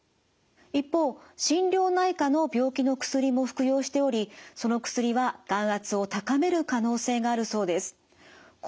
一方心療内科の病気の薬も服用しておりその薬は眼圧を高める可能性があるそうです。